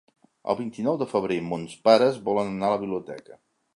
El vint-i-nou de febrer mons pares volen anar a la biblioteca.